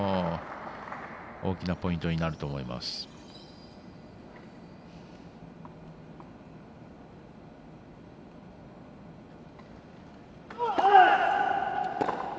大きなポイントになると思います。